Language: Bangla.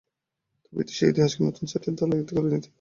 তবে সেই ইতিহাসকে নূতন ছাঁচে ঢালাই করে নিতে হবে।